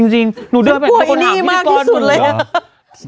จริงหนูเดินไปครับคนหาวิธีกรหนูแหละกัวบัวอันนี้มากที่สุดเลย